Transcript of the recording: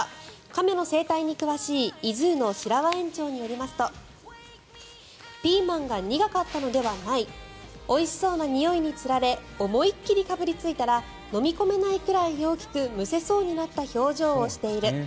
亀の生態に詳しいｉＺｏｏの白輪園長によりますとピーマンが苦かったのではないおいしそうなにおいにつられ思いっ切りかぶりついたら飲み込めないくらい大きくむせそうになった表情をしている。